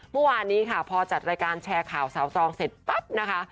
เมื่อวานนี้ค่ะพอจัดรายการแชร์ข่าวสาวตรองเสร็จปั๊บนะคะ